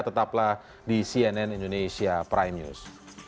tetaplah di cnn indonesia prime news